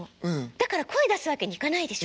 だから声出すわけにいかないでしょ？